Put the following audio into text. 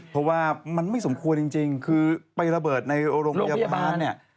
เพราะว่ามันไม่สมควรจริงคือไประเบิดในโรงพยาบาลเนี่ย